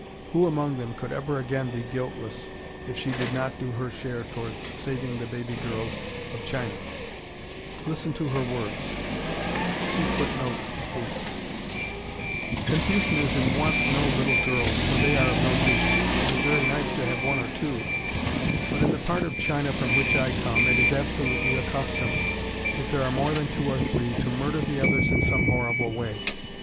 Who among them could ever again be guiltless if she did not do her share towards saving the baby girls of China? Listen to her words: Confucianism wants no little girls, for they are of no use. It is very nice to have one or two, but in the part of China from which I come it is absolutely a custom, if there are more than two or three, to murder the others in some horrible way.